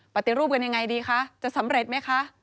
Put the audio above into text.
ปฏิรูปกันยังไงดีคะจะสำเร็จไหมคะ